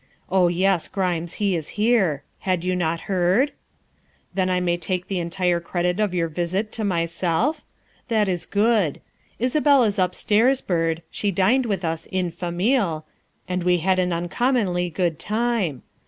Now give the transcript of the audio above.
Oh, yes, Grimes, he is here; had you not heard? Then I may take the entire credit of your visit to myself? That is good. Isabel is upstairs, Byrd; she dined with us en famille, and we had an uncommonly good time.